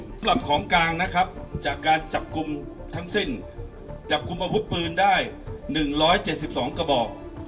สำหรับของกลางนะครับจากการจับกลุ่มทั้งสิ้นจับกลุ่มอาวุธปืนได้๑๗๒กระบอก